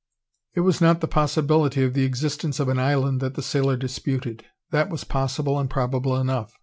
It was not the possibility of the existence of an island that the sailor disputed. That was possible and probable enough.